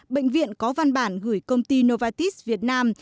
bệnh viện có văn bản gửi công ty novatis việt nam